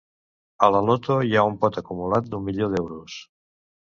A la loto, hi ha un pot acumulat d'un milió d'euros.